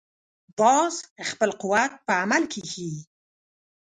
باز خپل قوت په عمل کې ښيي